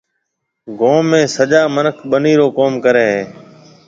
گوم ۾ سجا مِنک ٻنِي رو ڪوم ڪريَ هيَ۔